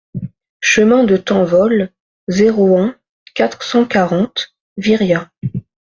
Chemin de Tanvol, zéro un, quatre cent quarante Viriat